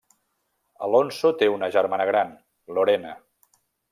Alonso té una germana gran, Lorena.